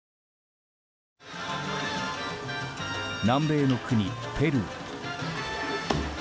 南米の国、ペルー。